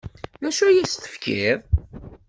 D acu ay as-tefkiḍ?